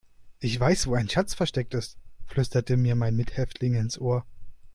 Ich weiß, wo ein Schatz versteckt ist, flüsterte mir mein Mithäftling ins Ohr.